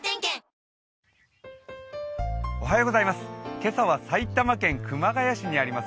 今朝は埼玉県熊谷市にあります